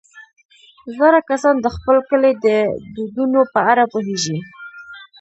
زاړه کسان د خپل کلي د دودونو په اړه پوهېږي